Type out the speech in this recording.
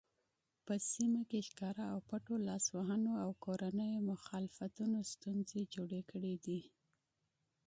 په سیمه کې ښکاره او پټو لاسوهنو او کورنیو مخالفتونو ستونزې جوړې کړې.